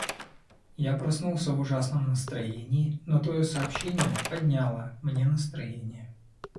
Я проснулся в ужасном настроении, но твое сообщение подняло мне настроение.